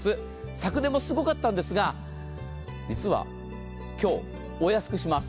昨年もすごかったんですが実は今日、お安くします。